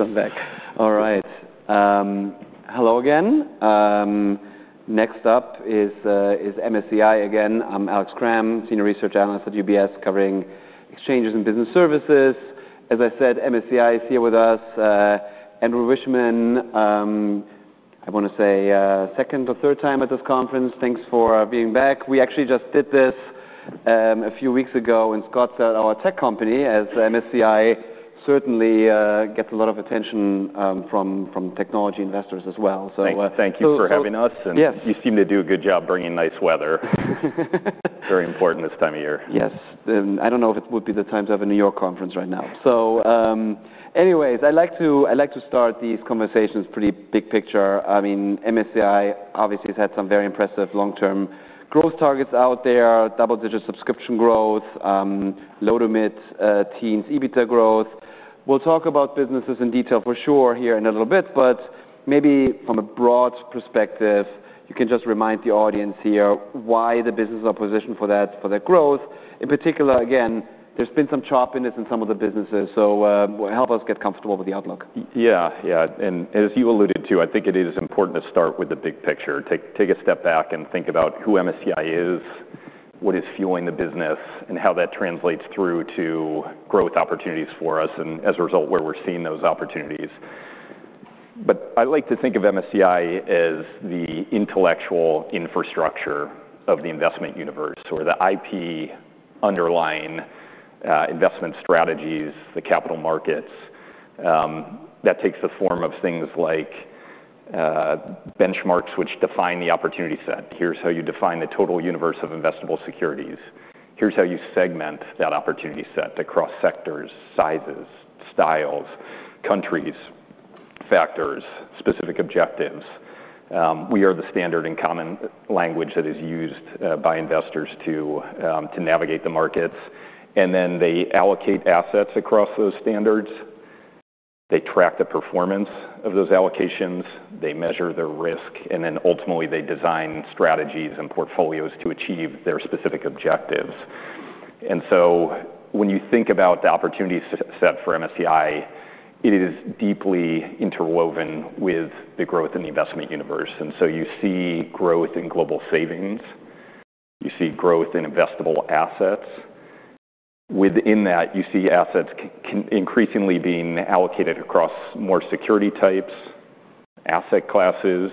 I'm back. All right. Hello again. Next up is MSCI again. I'm Alex Kramm, Senior Research Analyst at UBS, covering exchanges and business services. As I said, MSCI is here with us. Andrew Wiechmann, I wanna say, second or third time at this conference. Thanks for being back. We actually just did this a few weeks ago in Scottsdale, our tech conference, as MSCI certainly gets a lot of attention from technology investors as well. So- Thank you for having us. Yes. You seem to do a good job bringing nice weather. Very important this time of year. Yes. I don't know if it would be the time to have a New York conference right now. So, anyways, I like to start these conversations pretty big picture. I mean, MSCI obviously has had some very impressive long-term growth targets out there: double-digit subscription growth, low-to-mid-teens EBITDA growth. We'll talk about businesses in detail for sure here in a little bit, but maybe from a broad perspective, you can just remind the audience here why the businesses are positioned for that, for that growth. In particular, again, there's been some choppiness in some of the businesses. So, help us get comfortable with the outlook. Yeah, yeah. And as you alluded to, I think it is important to start with the big picture. Take a step back and think about who MSCI is, what is fueling the business, and how that translates through to growth opportunities for us and, as a result, where we're seeing those opportunities. But I like to think of MSCI as the intellectual infrastructure of the investment universe or the IP underlying investment strategies, the capital markets. That takes the form of things like benchmarks which define the opportunity set. Here's how you define the total universe of investable securities. Here's how you segment that opportunity set across sectors, sizes, styles, countries, factors, specific objectives. We are the standard and common language that is used by investors to navigate the markets. And then they allocate assets across those standards. They track the performance of those allocations. They measure their risk. Then ultimately, they design strategies and portfolios to achieve their specific objectives. So when you think about the opportunity set for MSCI, it is deeply interwoven with the growth and investment universe. So you see growth in global savings. You see growth in investable assets. Within that, you see assets can increasingly being allocated across more security types, asset classes,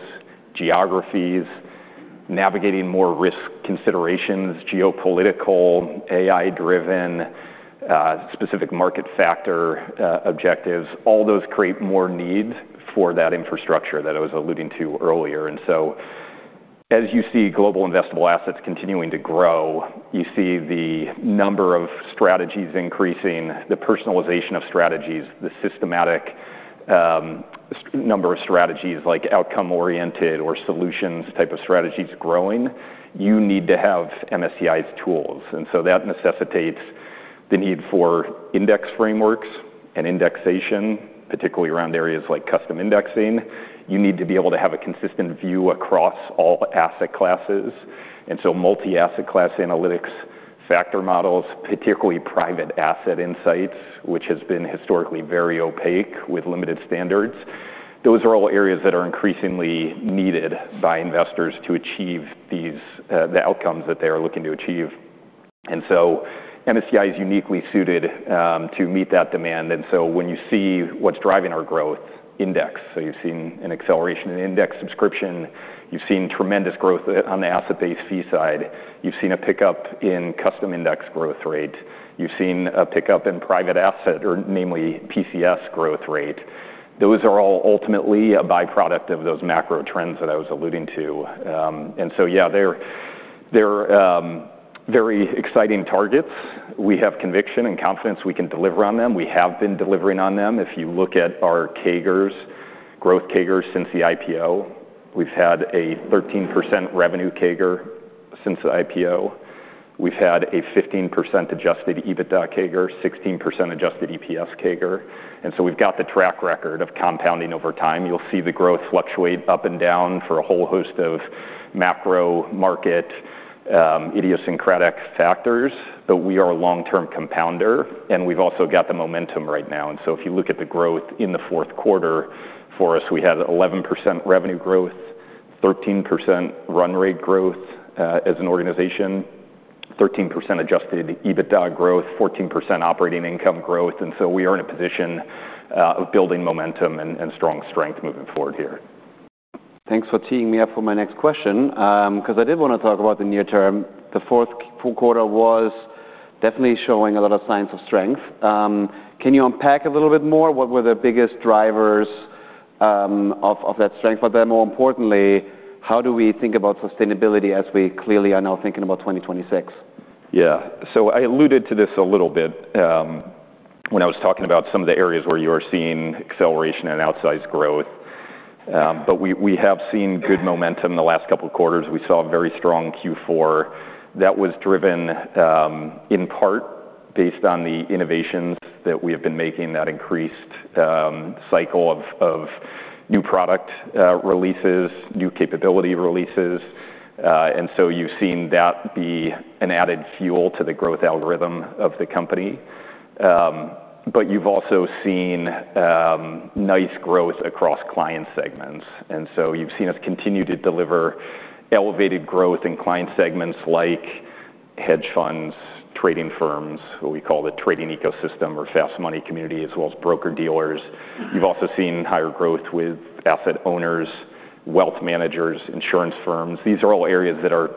geographies, navigating more risk considerations, geopolitical, AI-driven, specific market factor, objectives. All those create more needs for that infrastructure that I was alluding to earlier. So as you see global investable assets continuing to grow, you see the number of strategies increasing, the personalization of strategies, the systematic number of strategies like outcome-oriented or solutions type of strategies growing. You need to have MSCI's tools. That necessitates the need for index frameworks and indexation, particularly around areas like custom indexing. You need to be able to have a consistent view across all asset classes. Multi-asset class analytics, factor models, particularly private asset insights, which has been historically very opaque with limited standards, those are all areas that are increasingly needed by investors to achieve these, the outcomes that they are looking to achieve. MSCI is uniquely suited to meet that demand. When you see what's driving our growth, index. You've seen an acceleration in index subscription. You've seen tremendous growth on the asset-based fee side. You've seen a pickup in custom index growth rate. You've seen a pickup in private asset or namely PCS growth rate. Those are all ultimately a byproduct of those macro trends that I was alluding to. And so yeah, they're very exciting targets. We have conviction and confidence we can deliver on them. We have been delivering on them. If you look at our CAGRs, growth CAGRs since the IPO, we've had a 13% revenue CAGR since the IPO. We've had a 15% Adjusted EBITDA CAGR, 16% Adjusted EPS CAGR. So we've got the track record of compounding over time. You'll see the growth fluctuate up and down for a whole host of macro market, idiosyncratic factors. But we are a long-term compounder. We've also got the momentum right now. So if you look at the growth in the fourth quarter for us, we had 11% revenue growth, 13% run rate growth, as an organization, 13% Adjusted EBITDA growth, 14% operating income growth. So we are in a position of building momentum and strong strength moving forward here. Thanks for taking me up on my next question, 'cause I did wanna talk about the near term. The fourth quarter was definitely showing a lot of signs of strength. Can you unpack a little bit more? What were the biggest drivers of that strength? But then more importantly, how do we think about sustainability as we clearly are now thinking about 2026? Yeah. So I alluded to this a little bit, when I was talking about some of the areas where you are seeing acceleration and outsized growth. But we have seen good momentum the last couple quarters. We saw a very strong Q4. That was driven, in part, based on the innovations that we have been making, that increased cycle of new product releases, new capability releases. And so you've seen that be an added fuel to the growth algorithm of the company. But you've also seen nice growth across client segments. And so you've seen us continue to deliver elevated growth in client segments like hedge funds, trading firms, what we call the trading ecosystem or fast money community, as well as broker-dealers. You've also seen higher growth with asset owners, wealth managers, insurance firms. These are all areas that are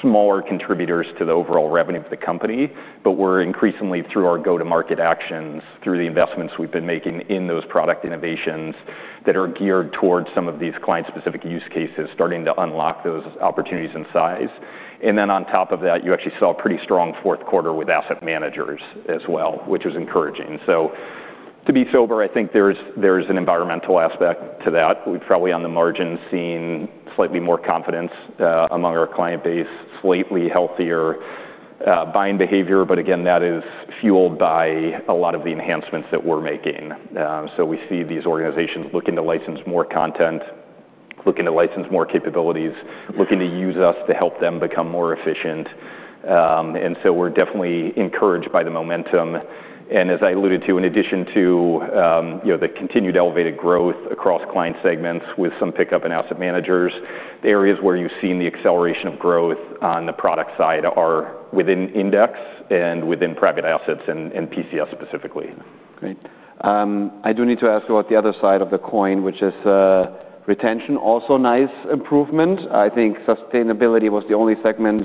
smaller contributors to the overall revenue of the company. But we're increasingly, through our go-to-market actions, through the investments we've been making in those product innovations that are geared towards some of these client-specific use cases, starting to unlock those opportunities in size. And then on top of that, you actually saw a pretty strong fourth quarter with asset managers as well, which was encouraging. So to be sober, I think there's, there's an environmental aspect to that. We've probably on the margins seen slightly more confidence among our client base, slightly healthier buying behavior. But again, that is fueled by a lot of the enhancements that we're making. So we see these organizations looking to license more content, looking to license more capabilities, looking to use us to help them become more efficient. And so we're definitely encouraged by the momentum. And as I alluded to, in addition to, you know, the continued elevated growth across client segments with some pickup in asset managers, the areas where you've seen the acceleration of growth on the product side are within index and within private assets and PCS specifically. Great. I do need to ask about the other side of the coin, which is, retention. Also nice improvement. I think sustainability was the only segment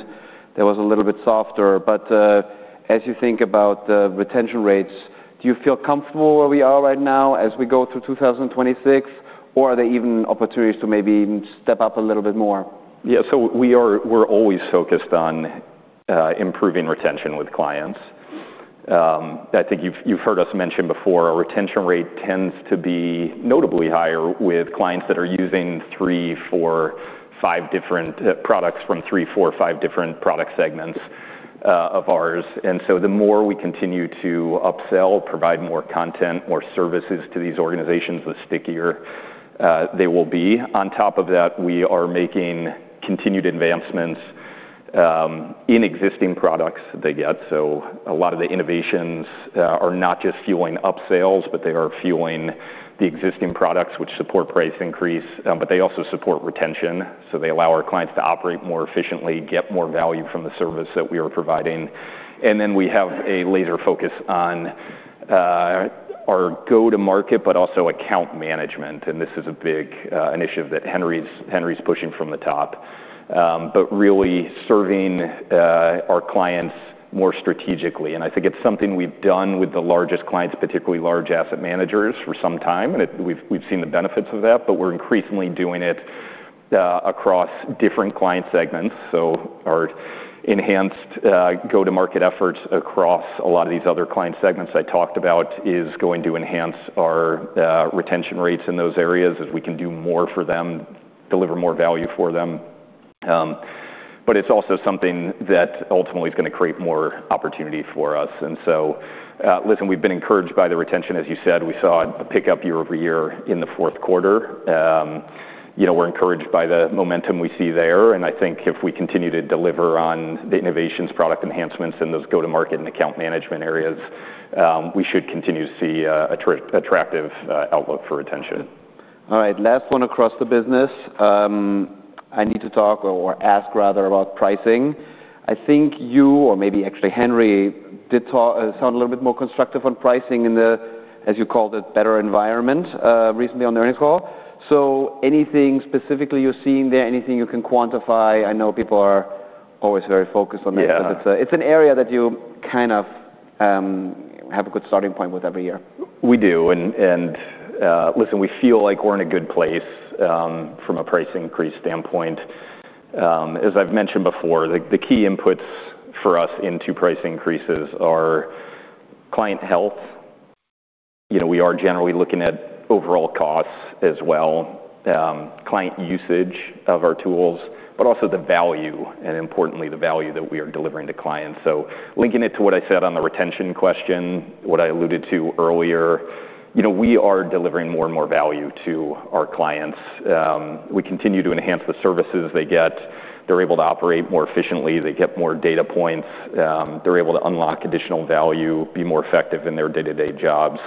that was a little bit softer. But, as you think about the retention rates, do you feel comfortable where we are right now as we go through 2026, or are there even opportunities to maybe step up a little bit more? Yeah. So we're always focused on improving retention with clients. I think you've heard us mention before, our retention rate tends to be notably higher with clients that are using three, four, five different products from three, four, five different product segments of ours. And so the more we continue to upsell, provide more content, more services to these organizations, the stickier they will be. On top of that, we are making continued advancements in existing products they get. So a lot of the innovations are not just fueling upsells, but they are fueling the existing products, which support price increase, but they also support retention. So they allow our clients to operate more efficiently, get more value from the service that we are providing. And then we have a laser focus on our go-to-market but also account management. This is a big initiative that Henry's, Henry's pushing from the top, but really serving our clients more strategically. And I think it's something we've done with the largest clients, particularly large asset managers, for some time. And we've, we've seen the benefits of that. But we're increasingly doing it across different client segments. So our enhanced go-to-market efforts across a lot of these other client segments I talked about is going to enhance our retention rates in those areas as we can do more for them, deliver more value for them. But it's also something that ultimately is gonna create more opportunity for us. And so, listen, we've been encouraged by the retention. As you said, we saw a pickup year-over-year in the fourth quarter. You know, we're encouraged by the momentum we see there. I think if we continue to deliver on the innovations, product enhancements, and those go-to-market and account management areas, we should continue to see an attractive outlook for retention. All right. Last one across the business. I need to talk or ask rather about pricing. I think you or maybe actually Henry did talk, sound a little bit more constructive on pricing in the, as you called it, better environment, recently on the earnings call. So anything specifically you're seeing there, anything you can quantify? I know people are always very focused on this. Yeah. But it's an area that you kind of have a good starting point with every year. We do. And listen, we feel like we're in a good place, from a price increase standpoint. As I've mentioned before, the key inputs for us into price increases are client health. You know, we are generally looking at overall costs as well, client usage of our tools, but also the value and importantly, the value that we are delivering to clients. So linking it to what I said on the retention question, what I alluded to earlier, you know, we are delivering more and more value to our clients. We continue to enhance the services they get. They're able to operate more efficiently. They get more data points. They're able to unlock additional value, be more effective in their day-to-day jobs.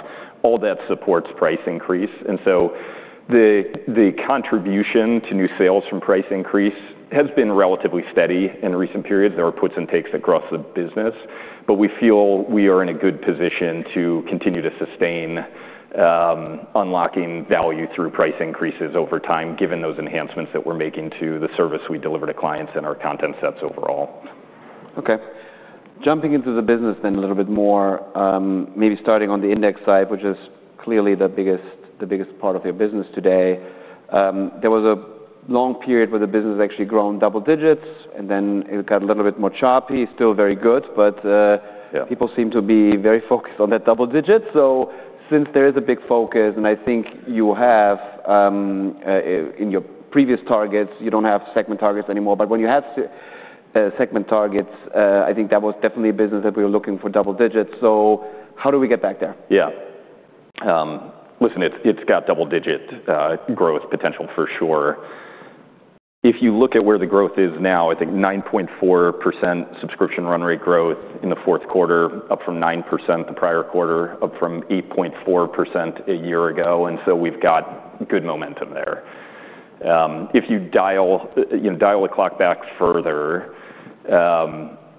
All that supports price increase. And so the contribution to new sales from price increase has been relatively steady in recent periods. There were puts and takes across the business. But we feel we are in a good position to continue to sustain unlocking value through price increases over time, given those enhancements that we're making to the service we deliver to clients and our content sets overall. Okay. Jumping into the business then a little bit more, maybe starting on the index side, which is clearly the biggest, the biggest part of your business today. There was a long period where the business actually grew double digits, and then it got a little bit more choppy. Still very good. But- Yeah. People seem to be very focused on that double digit. So since there is a big focus, and I think you have, in your previous targets, you don't have segment targets anymore. But when you had segment targets, I think that was definitely a business that we were looking for double digits. So how do we get back there? Yeah. Listen, it's got double-digit growth potential for sure. If you look at where the growth is now, I think 9.4% subscription run rate growth in the fourth quarter, up from 9% the prior quarter, up from 8.4% a year ago. And so we've got good momentum there. If you dial, you know, dial the clock back further,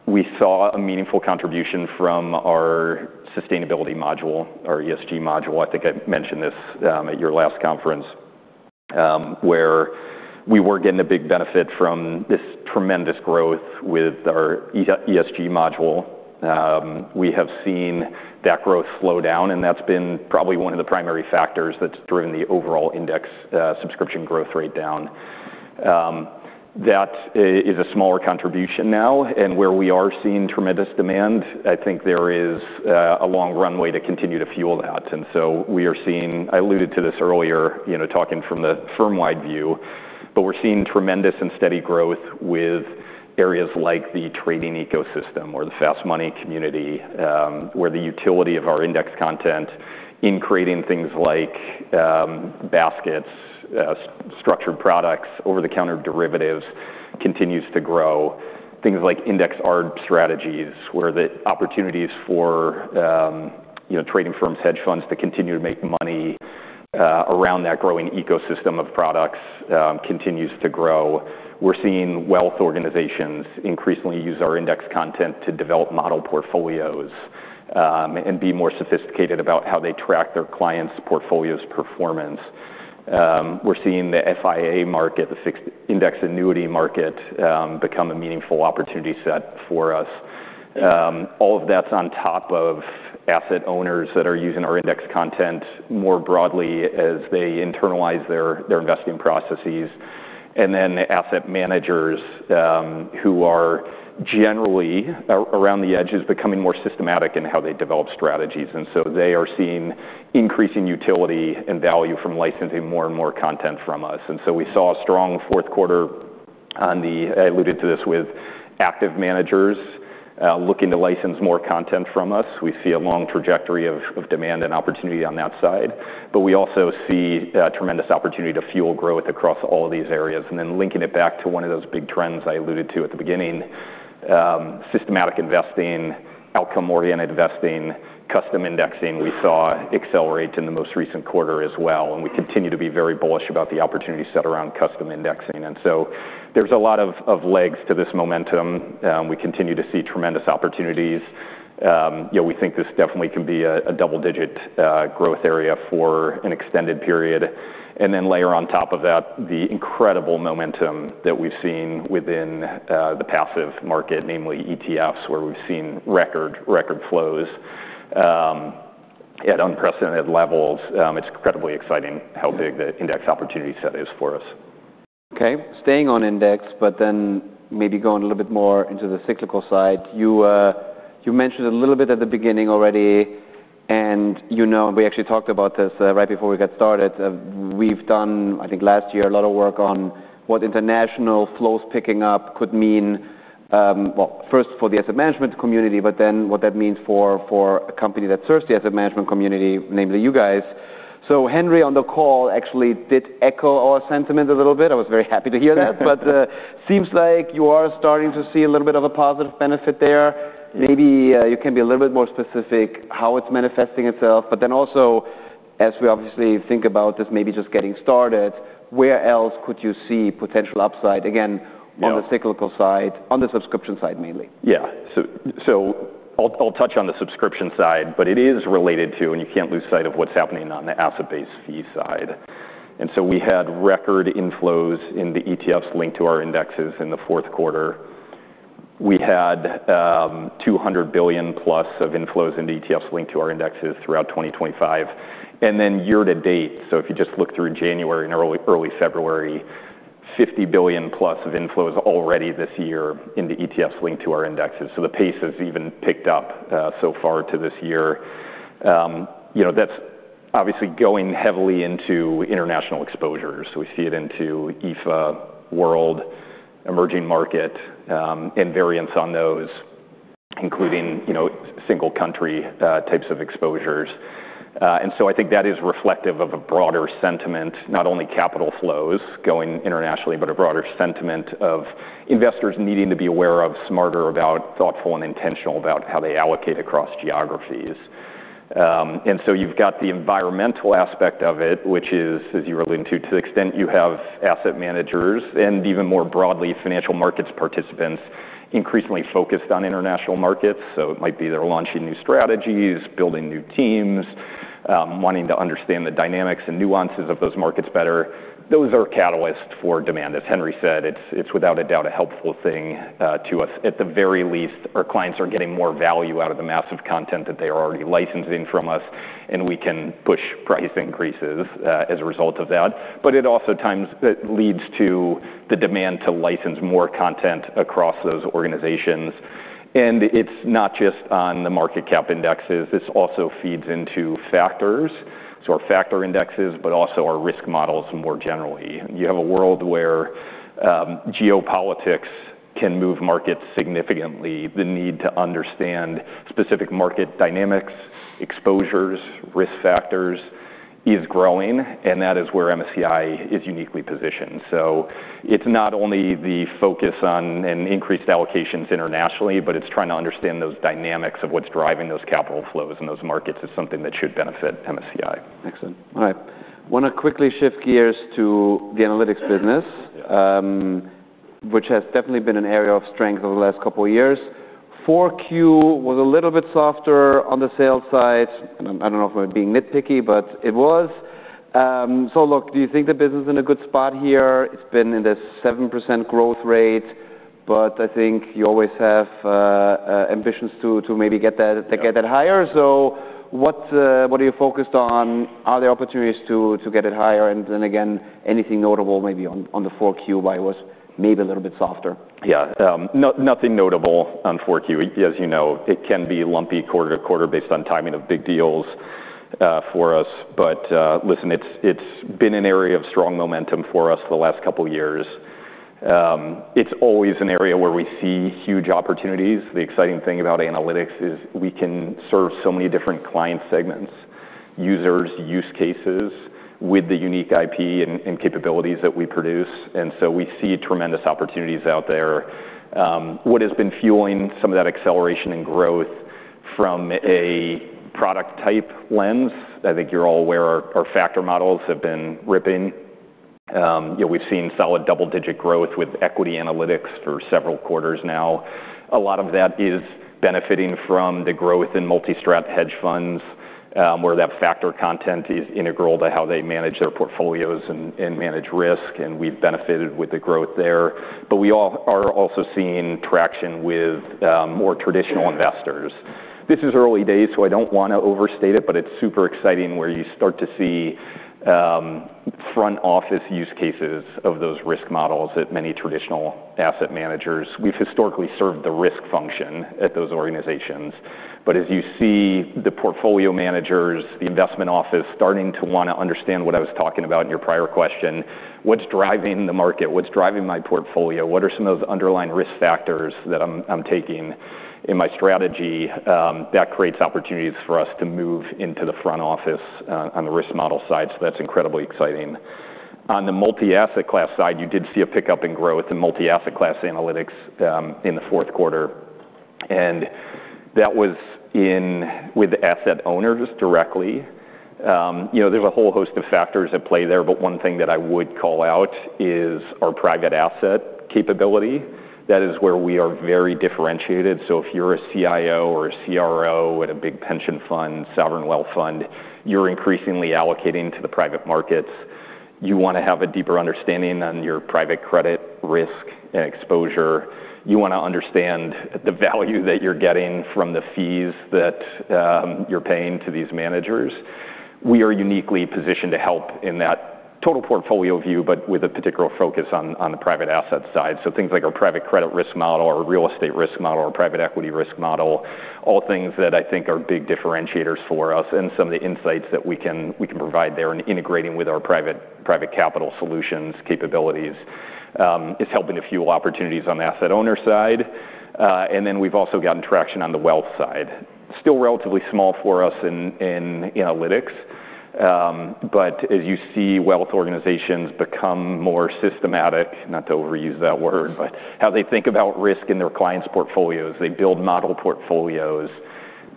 we saw a meaningful contribution from our sustainability module, our ESG module. I think I mentioned this at your last conference, where we were getting a big benefit from this tremendous growth with our ESG module. We have seen that growth slow down. And that's been probably one of the primary factors that's driven the overall index subscription growth rate down. That is a smaller contribution now. And where we are seeing tremendous demand, I think there is a long runway to continue to fuel that. And so we are seeing, I alluded to this earlier, you know, talking from the firm-wide view. But we're seeing tremendous and steady growth with areas like the trading ecosystem or the fast money community, where the utility of our index content in creating things like baskets, structured products, over-the-counter derivatives continues to grow. Things like index arbitrage strategies where the opportunities for, you know, trading firms, hedge funds to continue to make money, around that growing ecosystem of products, continues to grow. We're seeing wealth organizations increasingly use our index content to develop model portfolios, and be more sophisticated about how they track their clients' portfolios' performance. We're seeing the FIA market, the fixed index annuity market, become a meaningful opportunity set for us. All of that's on top of asset owners that are using our index content more broadly as they internalize their investing processes. And then asset managers, who are generally around the edge, is becoming more systematic in how they develop strategies. And so they are seeing increasing utility and value from licensing more and more content from us. And so we saw a strong fourth quarter. I alluded to this with active managers, looking to license more content from us. We see a long trajectory of demand and opportunity on that side. But we also see tremendous opportunity to fuel growth across all of these areas. And then linking it back to one of those big trends I alluded to at the beginning, systematic investing, outcome-oriented investing, custom indexing, we saw accelerate in the most recent quarter as well. And we continue to be very bullish about the opportunity set around custom indexing. And so there's a lot of legs to this momentum. We continue to see tremendous opportunities. You know, we think this definitely can be a double-digit growth area for an extended period. And then layer on top of that, the incredible momentum that we've seen within the passive market, namely ETFs, where we've seen record flows at unprecedented levels. It's incredibly exciting how big the index opportunity set is for us. Okay. Staying on index, but then maybe going a little bit more into the cyclical side. You mentioned a little bit at the beginning already. And you know, we actually talked about this right before we got started. We've done, I think, last year a lot of work on what international flows picking up could mean, well, first for the asset management community, but then what that means for a company that serves the asset management community, namely you guys. So Henry on the call actually did echo our sentiment a little bit. I was very happy to hear that. Yeah. Seems like you are starting to see a little bit of a positive benefit there. Yeah. Maybe, you can be a little bit more specific how it's manifesting itself. But then also, as we obviously think about this maybe just getting started, where else could you see potential upside? Again. Yeah. On the cyclical side, on the subscription side mainly. Yeah. So I'll touch on the subscription side. But it is related to and you can't lose sight of what's happening on the asset-based fee side. And so we had record inflows in the ETFs linked to our indexes in the fourth quarter. We had $200 billion+ of inflows into ETFs linked to our indexes throughout 2025. And then year to date, so if you just look through January and early February, $50 billion+ of inflows already this year into ETFs linked to our indexes. So the pace has even picked up so far this year. You know, that's obviously going heavily into international exposures. So we see it into EAFE, World, emerging markets, in variants on those, including, you know, single-country types of exposures. And so I think that is reflective of a broader sentiment, not only capital flows going internationally, but a broader sentiment of investors needing to be aware of, smarter about, thoughtful, and intentional about how they allocate across geographies. And so you've got the environmental aspect of it, which is, as you alluded to, to the extent you have asset managers and even more broadly, financial markets participants increasingly focused on international markets. So it might be they're launching new strategies, building new teams, wanting to understand the dynamics and nuances of those markets better. Those are catalysts for demand. As Henry said, it's, it's without a doubt a helpful thing, to us. At the very least, our clients are getting more value out of the massive content that they are already licensing from us. And we can push price increases, as a result of that. But it also, at times, leads to the demand to license more content across those organizations. And it's not just on the market cap indexes. This also feeds into factors, so our factor indexes, but also our risk models more generally. You have a world where geopolitics can move markets significantly. The need to understand specific market dynamics, exposures, risk factors is growing. And that is where MSCI is uniquely positioned. So it's not only the focus on increased allocations internationally, but it's trying to understand those dynamics of what's driving those capital flows in those markets is something that should benefit MSCI. Excellent. All right. Wanna quickly shift gears to the analytics business. Yeah. Which has definitely been an area of strength over the last couple of years. 4Q was a little bit softer on the sales side. And I'm, I don't know if I'm being nitpicky, but it was. So look, do you think the business is in a good spot here? It's been in this 7% growth rate. But I think you always have ambitions to, to maybe get that, get that higher. So what, what are you focused on? Are there opportunities to, to get it higher? And then again, anything notable maybe on, on the 4Q why it was maybe a little bit softer? Yeah. No, nothing notable on 4Q. As you know, it can be lumpy quarter to quarter based on timing of big deals, for us. But, listen, it's, it's been an area of strong momentum for us the last couple of years. It's always an area where we see huge opportunities. The exciting thing about analytics is we can serve so many different client segments, users, use cases with the unique IP and, and capabilities that we produce. And so we see tremendous opportunities out there. What has been fueling some of that acceleration and growth from a product type lens, I think you're all aware our, our factor models have been ripping. You know, we've seen solid double-digit growth with equity analytics for several quarters now. A lot of that is benefiting from the growth in multi-strat hedge funds, where that factor content is integral to how they manage their portfolios and, and manage risk. And we've benefited with the growth there. But we all are also seeing traction with more traditional investors. This is early days, so I don't wanna overstate it. But it's super exciting where you start to see front office use cases of those risk models at many traditional asset managers. We've historically served the risk function at those organizations. But as you see the portfolio managers, the investment office starting to wanna understand what I was talking about in your prior question, what's driving the market? What's driving my portfolio? What are some of those underlying risk factors that I'm, I'm taking in my strategy? That creates opportunities for us to move into the front office, on the risk model side. So that's incredibly exciting. On the multi-asset class side, you did see a pickup in growth in multi-asset class analytics, in the fourth quarter. And that was in with the asset owners directly. You know, there's a whole host of factors at play there. But one thing that I would call out is our private asset capability. That is where we are very differentiated. So if you're a CIO or a CRO at a big pension fund, sovereign wealth fund, you're increasingly allocating to the private markets. You wanna have a deeper understanding on your private credit risk and exposure. You wanna understand the value that you're getting from the fees that, you're paying to these managers. We are uniquely positioned to help in that total portfolio view, but with a particular focus on the private asset side. So things like our private credit risk model, our real estate risk model, our private equity risk model, all things that I think are big differentiators for us. Some of the insights that we can provide there and integrating with our Private Capital Solutions capabilities is helping to fuel opportunities on the asset owner side. Then we've also gotten traction on the wealth side. Still relatively small for us in analytics. But as you see wealth organizations become more systematic, not to overuse that word, but how they think about risk in their clients' portfolios, they build model portfolios.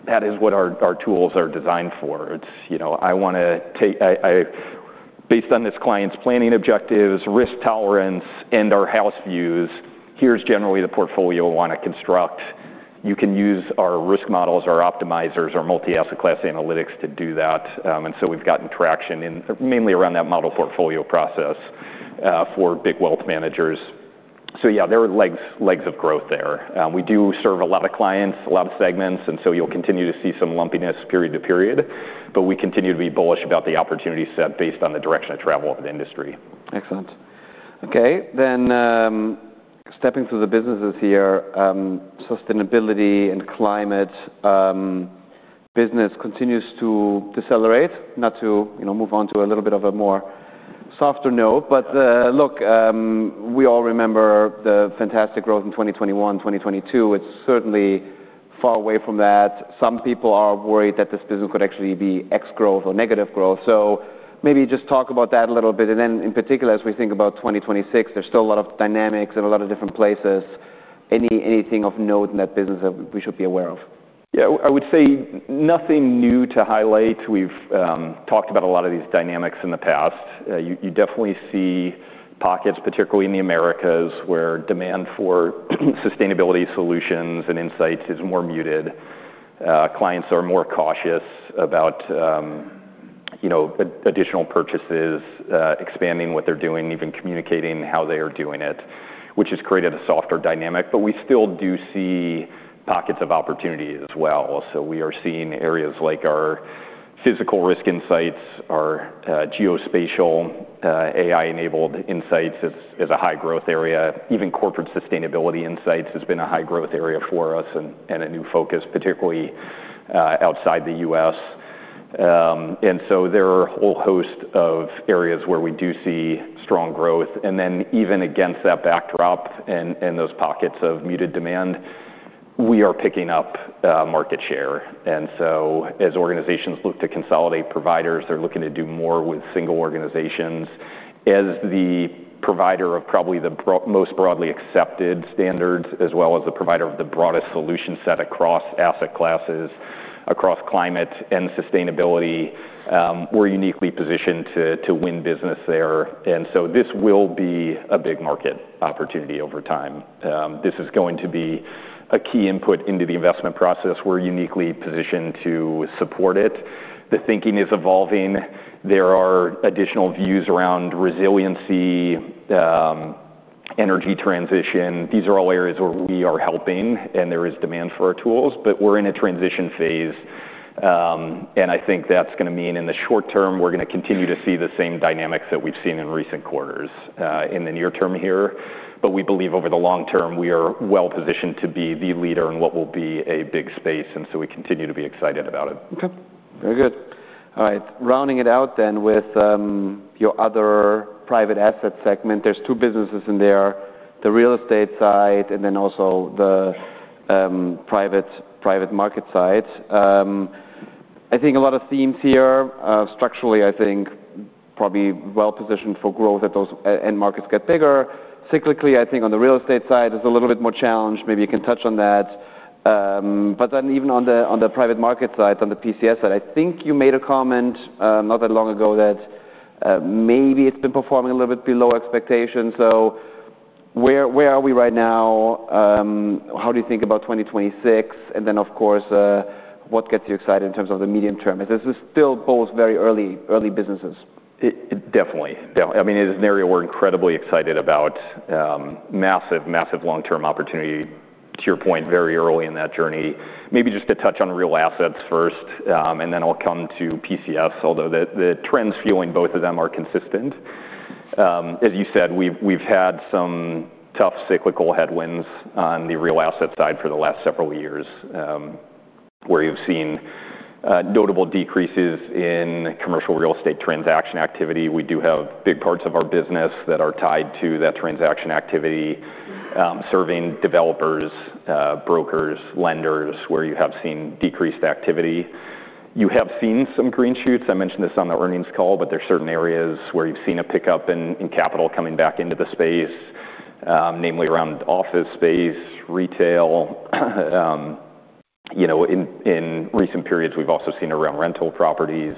That is what our tools are designed for. It's, you know, I wanna take, based on this client's planning objectives, risk tolerance, and our house views, here's generally the portfolio we wanna construct. You can use our risk models, our optimizers, our multi-asset class analytics to do that. And so we've gotten traction in mainly around that model portfolio process, for big wealth managers. So yeah, there are legs, legs of growth there. We do serve a lot of clients, a lot of segments. And so you'll continue to see some lumpiness period to period. But we continue to be bullish about the opportunity set based on the direction of travel of the industry. Excellent. Okay. Then, stepping through the businesses here, sustainability and climate business continues to decelerate, not to, you know, move on to a little bit of a more softer note. But, look, we all remember the fantastic growth in 2021, 2022. It's certainly far away from that. Some people are worried that this business could actually be ex-growth or negative growth. So maybe just talk about that a little bit. And then in particular, as we think about 2026, there's still a lot of dynamics in a lot of different places. Any, anything of note in that business that we should be aware of? Yeah. I would say nothing new to highlight. We've talked about a lot of these dynamics in the past. You definitely see pockets, particularly in the Americas, where demand for sustainability solutions and insights is more muted. Clients are more cautious about, you know, additional purchases, expanding what they're doing, even communicating how they are doing it, which has created a softer dynamic. But we still do see pockets of opportunity as well. So we are seeing areas like our physical risk insights, our geospatial, AI-enabled insights as a high-growth area. Even corporate sustainability insights has been a high-growth area for us and a new focus, particularly outside the U.S. And so there are a whole host of areas where we do see strong growth. And then even against that backdrop and those pockets of muted demand, we are picking up market share. And so as organizations look to consolidate providers, they're looking to do more with single organizations. As the provider of probably the broadest standards, as well as the provider of the broadest solution set across asset classes, across climate and sustainability, we're uniquely positioned to, to win business there. And so this will be a big market opportunity over time. This is going to be a key input into the investment process. We're uniquely positioned to support it. The thinking is evolving. There are additional views around resiliency, energy transition. These are all areas where we are helping. And there is demand for our tools. But we're in a transition phase. And I think that's gonna mean in the short term, we're gonna continue to see the same dynamics that we've seen in recent quarters, in the near term here. But we believe over the long term, we are well positioned to be the leader in what will be a big space. And so we continue to be excited about it. Okay. Very good. All right. Rounding it out then with your other private asset segment, there's two businesses in there, the real estate side and then also the private market side. I think a lot of themes here, structurally, I think probably well positioned for growth as those and markets get bigger. Cyclically, I think on the real estate side, there's a little bit more challenge. Maybe you can touch on that. But then even on the private market side, on the PCS side, I think you made a comment, not that long ago that maybe it's been performing a little bit below expectations. So where are we right now? How do you think about 2026? And then, of course, what gets you excited in terms of the medium term? Is this still both very early businesses? It, it definitely, definitely. I mean, it is an area we're incredibly excited about, massive, massive long-term opportunity, to your point, very early in that journey. Maybe just a touch on real assets first. And then I'll come to PCS, although the trends feeling both of them are consistent. As you said, we've had some tough cyclical headwinds on the real asset side for the last several years, where you've seen notable decreases in commercial real estate transaction activity. We do have big parts of our business that are tied to that transaction activity, serving developers, brokers, lenders, where you have seen decreased activity. You have seen some green shoots. I mentioned this on the earnings call. But there's certain areas where you've seen a pickup in capital coming back into the space, namely around office space, retail. You know, in recent periods, we've also seen it around rental properties.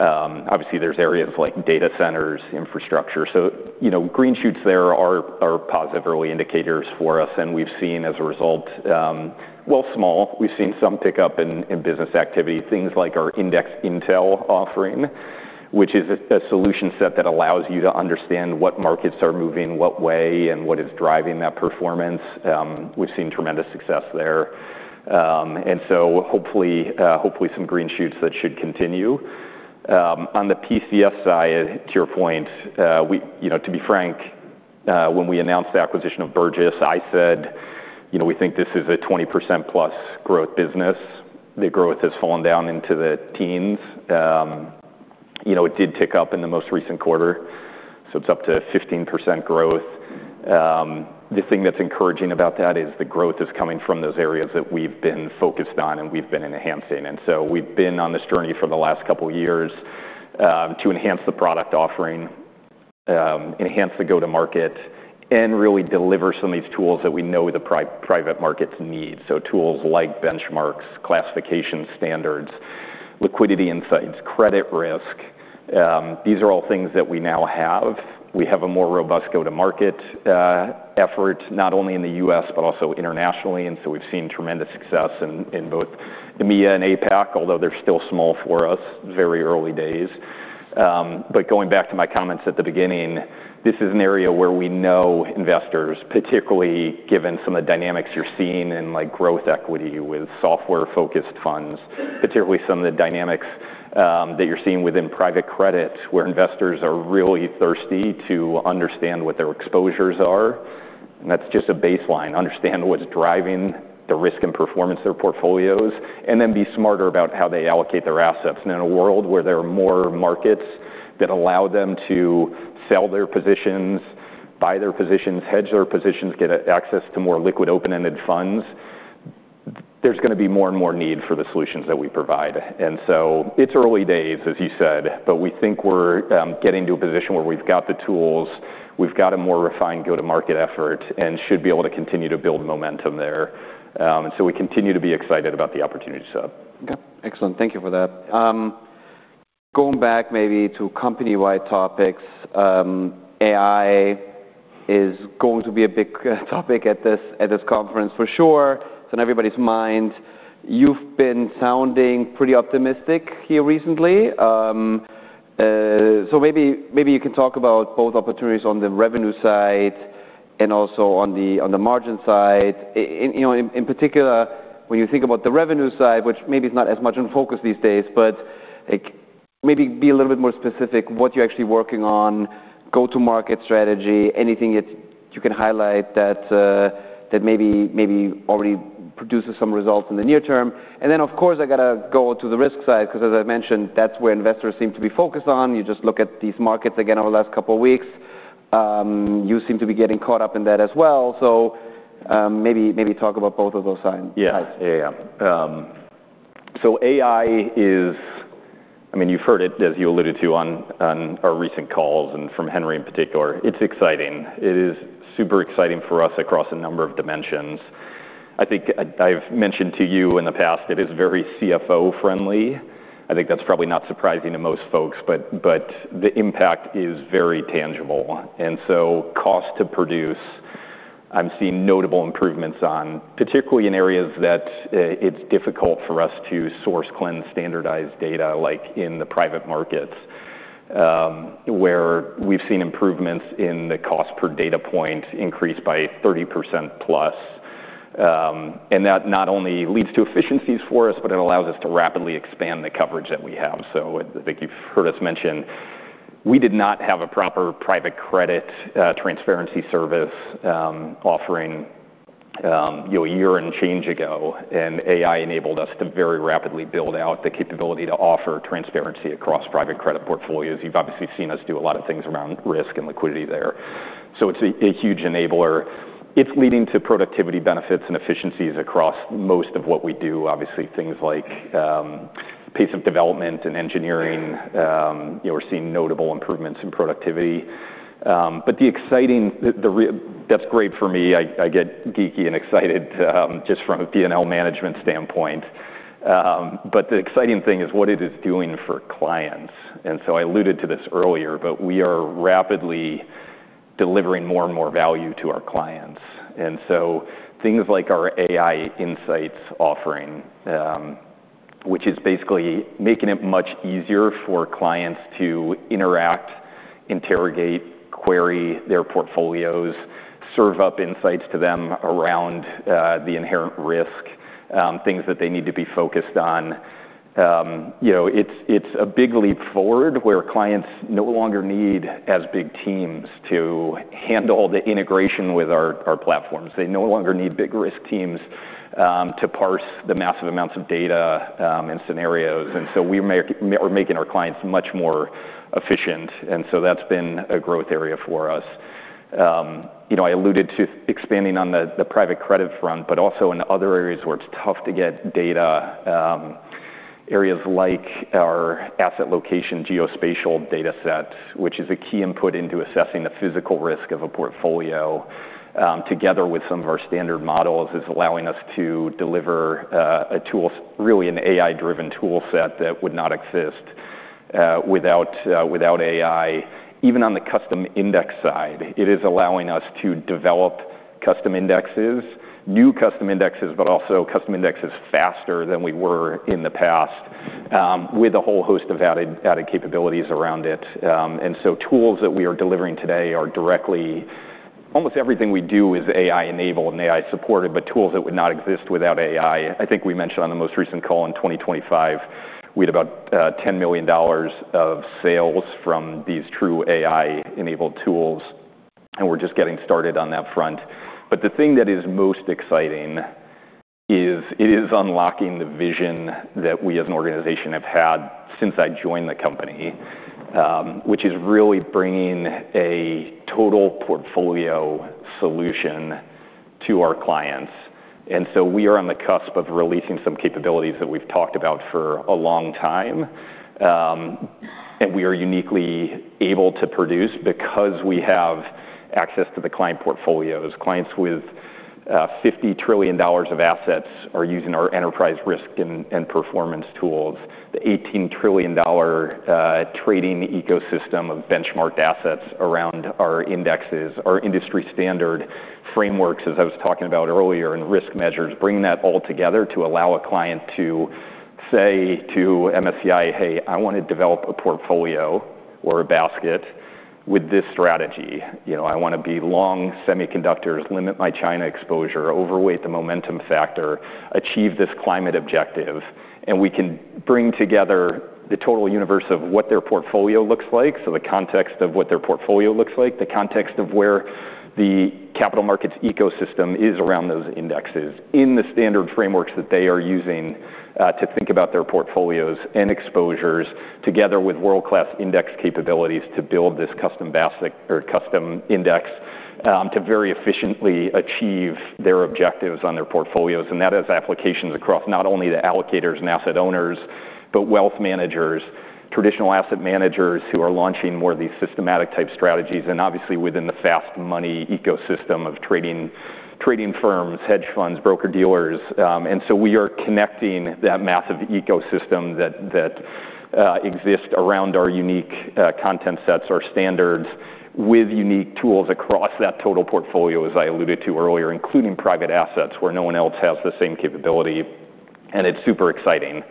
Obviously, there's areas like data centers, infrastructure. So, you know, green shoots there are positive early indicators for us. And we've seen, as a result, while small, we've seen some pickup in business activity, things like our Index Intel offering, which is a solution set that allows you to understand what markets are moving what way and what is driving that performance. We've seen tremendous success there. And so hopefully, hopefully, some green shoots that should continue. On the PCS side, to your point, we, you know, to be frank, when we announced the acquisition of Burgiss, I said, you know, we think this is a 20%+ growth business. The growth has fallen down into the teens. You know, it did tick up in the most recent quarter. So it's up to 15% growth. The thing that's encouraging about that is the growth is coming from those areas that we've been focused on and we've been enhancing. And so we've been on this journey for the last couple of years, to enhance the product offering, enhance the go-to-market, and really deliver some of these tools that we know the private markets need. So tools like benchmarks, classification standards, liquidity insights, credit risk. These are all things that we now have. We have a more robust go-to-market effort not only in the U.S. but also internationally. And so we've seen tremendous success in both EMEA and APAC, although they're still small for us, very early days. But going back to my comments at the beginning, this is an area where we know investors, particularly given some of the dynamics you're seeing in, like, growth equity with software-focused funds, particularly some of the dynamics that you're seeing within private credit where investors are really thirsty to understand what their exposures are. And that's just a baseline, understand what's driving the risk and performance of their portfolios, and then be smarter about how they allocate their assets. And in a world where there are more markets that allow them to sell their positions, buy their positions, hedge their positions, get access to more liquid open-ended funds, there's gonna be more and more need for the solutions that we provide. And so it's early days, as you said. But we think we're getting to a position where we've got the tools, we've got a more refined go-to-market effort, and should be able to continue to build momentum there. And so we continue to be excited about the opportunities up. Okay. Excellent. Thank you for that. Going back maybe to company-wide topics, AI is going to be a big topic at this, at this conference for sure. It's on everybody's mind. You've been sounding pretty optimistic here recently. So maybe, maybe you can talk about both opportunities on the revenue side and also on the, on the margin side. In, you know, in, in particular, when you think about the revenue side, which maybe it's not as much in focus these days, but, like, maybe be a little bit more specific, what you're actually working on, go-to-market strategy, anything that you can highlight that, that maybe, maybe already produces some results in the near term. And then, of course, I gotta go to the risk side 'cause, as I mentioned, that's where investors seem to be focused on. You just look at these markets again over the last couple of weeks. You seem to be getting caught up in that as well. So, maybe, maybe talk about both of those sides. Yeah. Yeah, yeah, yeah. So AI is, I mean, you've heard it, as you alluded to, on our recent calls and from Henry in particular. It's exciting. It is super exciting for us across a number of dimensions. I think I've mentioned to you in the past it is very CFO-friendly. I think that's probably not surprising to most folks. But the impact is very tangible. And so cost to produce, I'm seeing notable improvements on, particularly in areas that it's difficult for us to source clean, standardized data, like in the private markets, where we've seen improvements in the cost per data point increase by 30%+. And that not only leads to efficiencies for us, but it allows us to rapidly expand the coverage that we have. So I think you've heard us mention we did not have a proper private credit transparency service offering, you know, a year and change ago. And AI enabled us to very rapidly build out the capability to offer transparency across private credit portfolios. You've obviously seen us do a lot of things around risk and liquidity there. So it's a huge enabler. It's leading to productivity benefits and efficiencies across most of what we do, obviously, things like pace of development and engineering. You know, we're seeing notable improvements in productivity. But the exciting, the real that's great for me. I get geeky and excited, just from a P&L management standpoint. But the exciting thing is what it is doing for clients. And so I alluded to this earlier. But we are rapidly delivering more and more value to our clients. And so things like our AI insights offering, which is basically making it much easier for clients to interact, interrogate, query their portfolios, serve up insights to them around the inherent risk, things that they need to be focused on. You know, it's a big leap forward where clients no longer need as big teams to handle the integration with our platforms. They no longer need big risk teams to parse the massive amounts of data and scenarios. And so we're making, are making our clients much more efficient. And so that's been a growth area for us. You know, I alluded to expanding on the, the private credit front but also in other areas where it's tough to get data, areas like our asset location geospatial data set, which is a key input into assessing the physical risk of a portfolio, together with some of our standard models, is allowing us to deliver a tools, really an AI-driven tool set that would not exist without, without AI. Even on the custom index side, it is allowing us to develop custom indexes, new custom indexes, but also custom indexes faster than we were in the past, with a whole host of added, added capabilities around it. And so tools that we are delivering today are directly almost everything we do is AI-enabled and AI-supported. But tools that would not exist without AI. I think we mentioned on the most recent call in 2025, we had about $10 million of sales from these true AI-enabled tools. And we're just getting started on that front. But the thing that is most exciting is it is unlocking the vision that we as an organization have had since I joined the company, which is really bringing a total portfolio solution to our clients. And so we are on the cusp of releasing some capabilities that we've talked about for a long time. And we are uniquely able to produce because we have access to the client portfolios. Clients with $50 trillion of assets are using our enterprise risk and performance tools, the $18 trillion trading ecosystem of benchmarked assets around our indexes, our industry standard frameworks, as I was talking about earlier, and risk measures, bringing that all together to allow a client to say to MSCI, "Hey, I wanna develop a portfolio or a basket with this strategy. You know, I wanna be long semiconductors, limit my China exposure, overweight the momentum factor, achieve this climate objective." We can bring together the total universe of what their portfolio looks like, so the context of what their portfolio looks like, the context of where the capital markets ecosystem is around those indexes, in the standard frameworks that they are using, to think about their portfolios and exposures together with world-class index capabilities to build this custom basket or custom index, to very efficiently achieve their objectives on their portfolios. That has applications across not only the allocators and asset owners but wealth managers, traditional asset managers who are launching more of these systematic-type strategies and obviously within the fast-money ecosystem of trading, trading firms, hedge funds, broker-dealers. And so we are connecting that massive ecosystem that exists around our unique content sets, our standards, with unique tools across that total portfolio, as I alluded to earlier, including private assets where no one else has the same capability. And it's super exciting.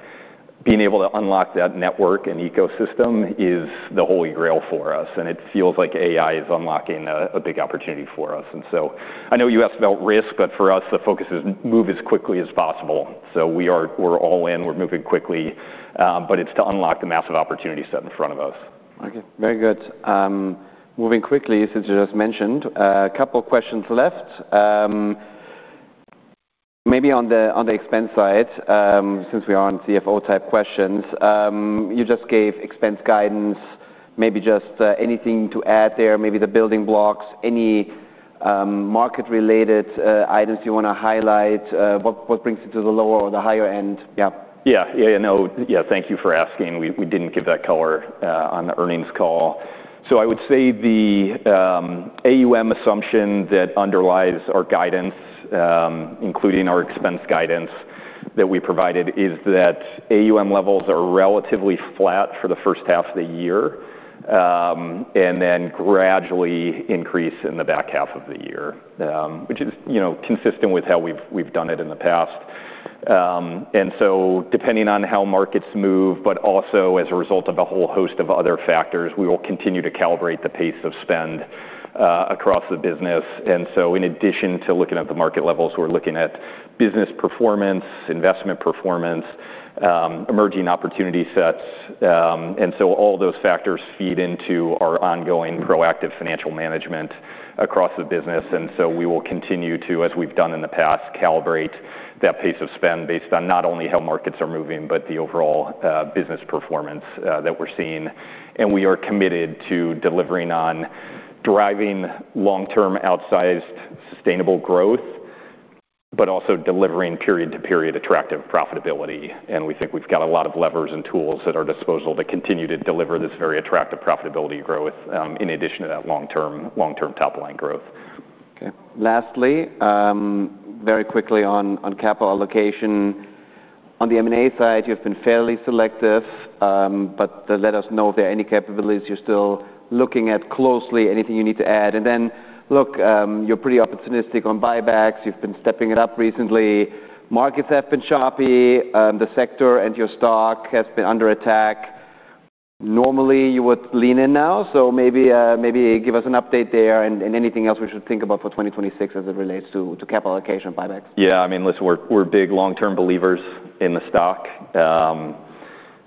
Being able to unlock that network and ecosystem is the holy grail for us. And it feels like AI is unlocking a big opportunity for us. And so I know you asked about risk. But for us, the focus is move as quickly as possible. So we are, we're all in. We're moving quickly. But it's to unlock the massive opportunity set in front of us. Okay. Very good. Moving quickly, as you just mentioned, a couple of questions left. Maybe on the, on the expense side, since we are on CFO-type questions, you just gave expense guidance. Maybe just, anything to add there, maybe the building blocks, any, market-related, items you wanna highlight, what, what brings it to the lower or the higher end? Yeah. Yeah. Yeah, yeah. No, yeah. Thank you for asking. We didn't give that color on the earnings call. So I would say the AUM assumption that underlies our guidance, including our expense guidance that we provided, is that AUM levels are relatively flat for the first half of the year, and then gradually increase in the back half of the year, which is, you know, consistent with how we've done it in the past. And so depending on how markets move but also as a result of a whole host of other factors, we will continue to calibrate the pace of spend across the business. And so in addition to looking at the market levels, we're looking at business performance, investment performance, emerging opportunity sets. And so all those factors feed into our ongoing proactive financial management across the business. We will continue to, as we've done in the past, calibrate that pace of spend based on not only how markets are moving but the overall business performance that we're seeing. We are committed to delivering on driving long-term outsized sustainable growth but also delivering period-to-period attractive profitability. We think we've got a lot of levers and tools at our disposal to continue to deliver this very attractive profitability growth, in addition to that long-term, long-term top-line growth. Okay. Lastly, very quickly on, on capital allocation. On the M&A side, you've been fairly selective. But let us know if there are any capabilities you're still looking at closely, anything you need to add. And then, look, you're pretty opportunistic on buybacks. You've been stepping it up recently. Markets have been choppy. The sector and your stock has been under attack. Normally, you would lean in now. So maybe, maybe give us an update there and, and anything else we should think about for 2026 as it relates to, to capital allocation and buybacks. Yeah. I mean, listen, we're big long-term believers in the stock,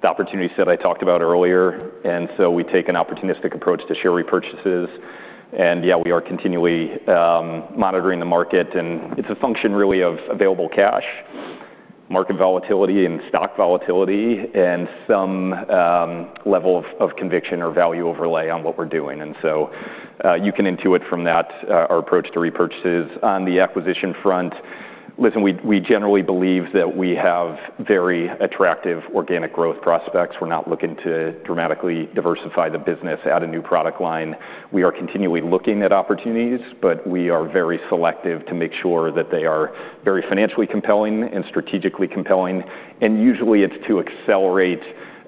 the opportunity set I talked about earlier. And so we take an opportunistic approach to share repurchases. And yeah, we are continually monitoring the market. And it's a function really of available cash, market volatility and stock volatility, and some level of conviction or value overlay on what we're doing. And so, you can intuit from that, our approach to repurchases. On the acquisition front, listen, we generally believe that we have very attractive organic growth prospects. We're not looking to dramatically diversify the business, add a new product line. We are continually looking at opportunities. But we are very selective to make sure that they are very financially compelling and strategically compelling. Usually, it's to accelerate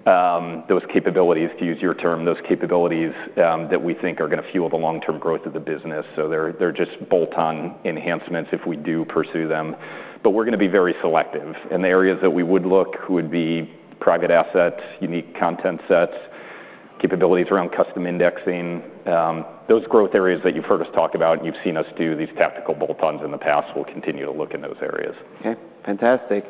those capabilities, to use your term, those capabilities, that we think are gonna fuel the long-term growth of the business. They're just bolt-on enhancements if we do pursue them. We're gonna be very selective. The areas that we would look would be private assets, unique content sets, capabilities around custom indexing, those growth areas that you've heard us talk about and you've seen us do, these tactical bolt-ons in the past, we'll continue to look in those areas. Okay. Fantastic.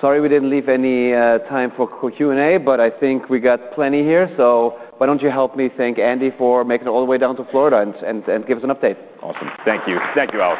Sorry we didn't leave any time for Q&A. But I think we got plenty here. So why don't you help me thank Andy for making it all the way down to Florida and give us an update. Awesome. Thank you. Thank you all.